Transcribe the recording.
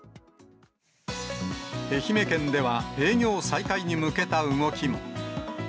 愛媛県では、営業再開に向けた動きも。